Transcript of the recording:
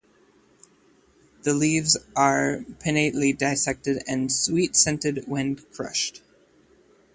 The leaves are pinnately dissected and sweet-scented when crushed.